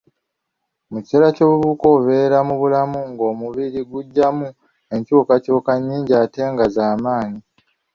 Mu kiseera eky'obuvubuka obeera mu bulamu ng'omubiri gujjamu enkyukakyuka nnyingi ate nga z'amaanyi.